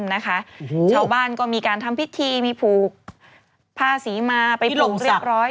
ชาวบ้านก็มีการทำพิธีมีผูกผ้าสีมาไปปลูกเรียบร้อย